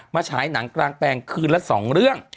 ฉายหนังกลางแปลงคืนละ๒เรื่อง